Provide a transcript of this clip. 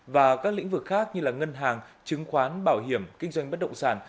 và các lĩnh vực khác như ngân hàng chứng khoán bảo hiểm kinh doanh bất động sản